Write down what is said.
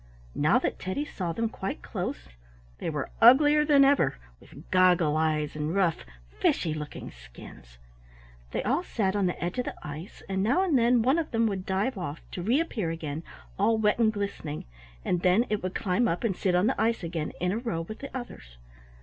Now that Teddy saw them quite close they were uglier than ever, with goggle eyes, and rough, fishy looking skins. They all sat on the edge of the ice, and now and then one of them would dive off, to reappear again, all wet and glistening, and then it would climb up and sit on the ice again in a row with the others.